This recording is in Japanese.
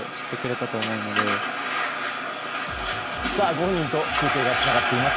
ご本人と中継がつながっています。